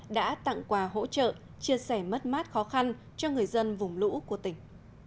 đã tặng quà hỗ trợ chia sẻ mất mát khó khăn cho người dân vùng lũ của tỉnh